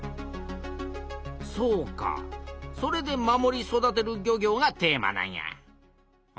そうかそれで「守り育てる漁業」がテーマなんや。